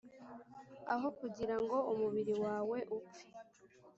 aho kugira ngo umubiri wawe upfe